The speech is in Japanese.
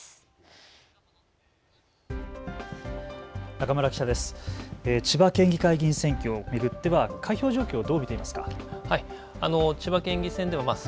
中村記者です。